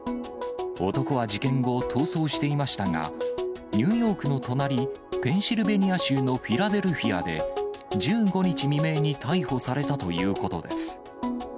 男は事件後、逃走していましたが、ニューヨークの隣、ペンシルベニア州のフィラデルフィアで、１５日未明に逮捕されたということです。